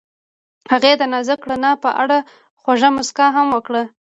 هغې د نازک رڼا په اړه خوږه موسکا هم وکړه.